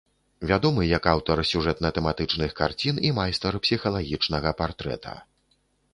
Вядомы, як аўтар сюжэтна-тэматычных карцін і майстар псіхалагічнага партрэта.